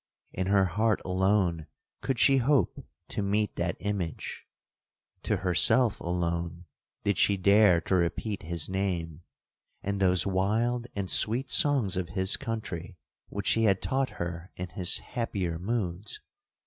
In her heart alone could she hope to meet that image,—to herself alone did she dare to repeat his name, and those wild and sweet songs of his country1 which he had taught her in his happier moods.